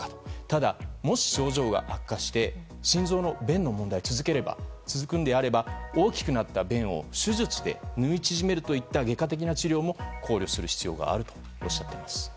ただ、もし症状が悪化して心臓の弁の問題が続くのであれば大きくなった弁を手術で縫い縮めるという外科的な治療も考慮する必要があるとおっしゃっています。